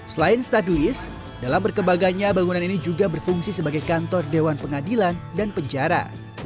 selain stadulis dalam perkembangannya bangunan ini juga berfungsi sebagai kantor dewan pengadilan dan penjara